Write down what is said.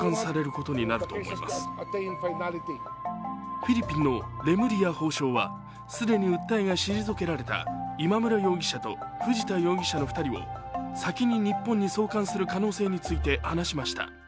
フィリピンのレムリヤ法相は既に訴えが退けられた今村容疑者と藤田容疑者の２人を先に日本に送還する可能性について話しました。